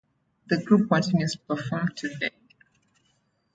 The group continues to perform today.